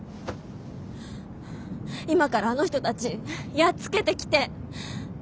今からあの人たちやっつけてきて。